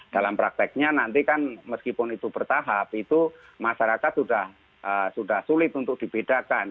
dalam prakteknya nanti kan meskipun itu bertahap itu masyarakat sudah sulit untuk dibedakan